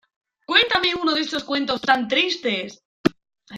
¡Cuéntame uno de esos cuentos tan tristes!